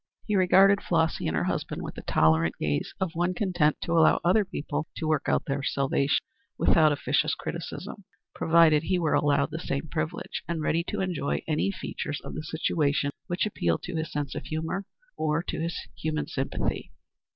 He regarded Flossy and her husband with the tolerant gaze of one content to allow other people to work out their salvation, without officious criticism, provided he were allowed the same privilege, and ready to enjoy any features of the situation which appealed to his sense of humor or to his human sympathy.